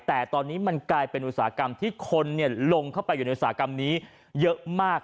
แต่ตอนนี้มันกลายเป็นอุตสาหกรรมที่คนลงเข้าไปอยู่ในอุตสาหกรรมนี้เยอะมาก